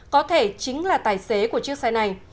có thể chính là tài xế của chiếc xe này